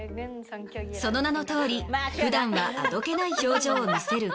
その名のとおり普段はあどけない表情を見せる彼女だが。